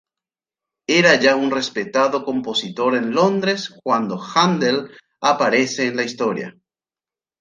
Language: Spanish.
Era ya un respetado compositor en Londres cuando Händel aparece en la historia.